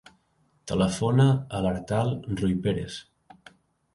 Telefona a l'Artal Ruiperez.